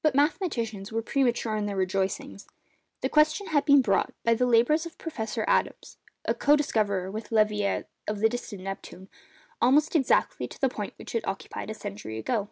But mathematicians were premature in their rejoicings. The question has been brought, by the labours of Professor Adams—co discoverer with Leverrier of the distant Neptune—almost exactly to the point which it occupied a century ago.